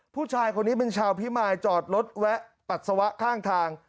ผู้ชายคนนี้เป็นชาวพิมายจอดรถแวะปัสสาวะข้างทาง